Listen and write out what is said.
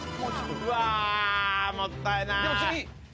うわもったいない。